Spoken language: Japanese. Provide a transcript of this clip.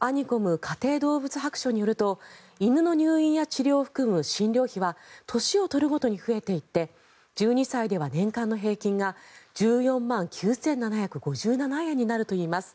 家庭どうぶつ白書によると犬の入院治療を含む診療費は年を取るごとに増えていって１２歳では年間の平均が１４万９７５７円になるといいます。